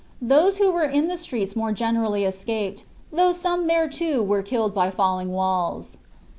Those who were in the streets more generally escaped, though some there, too, were killed by falling walls.